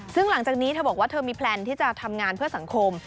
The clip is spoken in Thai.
ซึ่งหลังจากนี้เธอบอกว่าเธอมีแพลนที่จะทำงานเพื่อสังคม